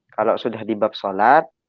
kalau sudah di bab sholat